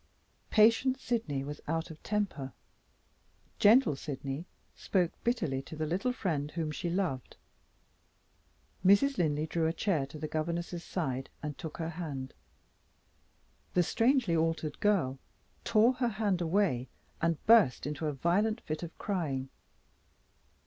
Patient Sydney was out of temper; gentle Sydney spoke bitterly to the little friend whom she loved. Mrs. Linley drew a chair to the governess's side, and took her hand. The strangely altered girl tore her hand away and burst into a violent fit of crying.